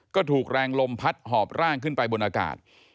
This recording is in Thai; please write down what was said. ก็ถูกแรงลมพัดหอบร่างขึ้นไปบนอากาศ